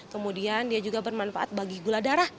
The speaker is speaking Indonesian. kemudian dia juga bermanfaat bagi gula darah